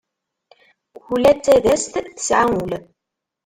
Ula d tadast tesɛa ul.